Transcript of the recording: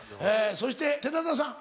そして寺田さん。